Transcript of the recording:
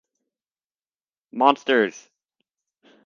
Monsters!